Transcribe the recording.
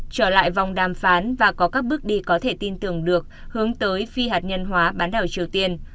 trở lại vòng đàm phán và có các bước đi có thể tin tưởng được hướng tới phi hạt nhân hóa bán đảo triều tiên